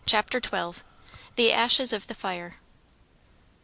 CHAPTER XII. THE ASHES OF THE FIRE.